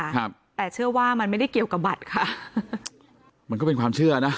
ครับแต่เชื่อว่ามันไม่ได้เกี่ยวกับบัตรค่ะมันก็เป็นความเชื่อนะ